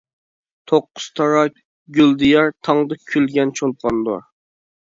توققۇزتارا گۈل دىيار، تاڭدا كۈلگەن چولپاندۇر.